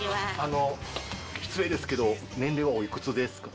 失礼ですけど、年齢はおいくつですか？